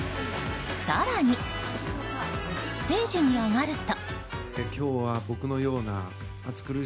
更に、ステージに上がると。